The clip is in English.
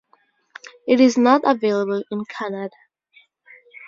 It is not available in Canada.